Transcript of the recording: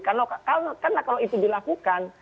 karena kalau itu dilakukan